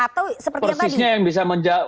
atau seperti apa